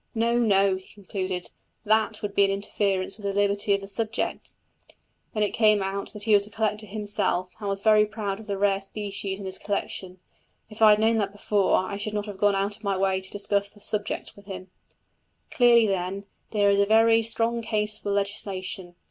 "No, no!" he concluded; "that would be an interference with the liberty of the subject." Then it came out that he was a collector himself, and was very proud of the rare species in his collection! If I had known that before, I should not have gone out of my way to discuss the subject with him. Clearly, then, there is a very strong case for legislation.